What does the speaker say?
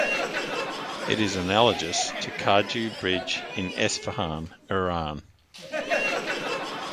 It is analogous to Khaju Bridge in Esfahan, Iran.